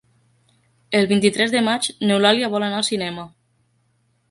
El vint-i-tres de maig n'Eulàlia vol anar al cinema.